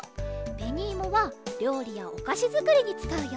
べにいもはりょうりやおかしづくりにつかうよ。